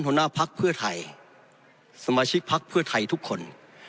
หัวหน้าพักเพื่อไทยสมาชิกพักเพื่อไทยทุกคน